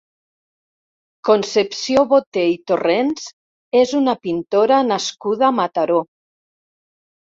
Concepció Boter i Torrents és una pintora nascuda a Mataró.